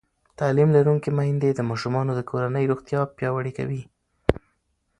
تعلیم لرونکې میندې د ماشومانو د کورنۍ روغتیا پیاوړې کوي.